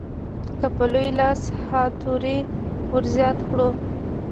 که په لوی لاس ها توری ورزیات کړو.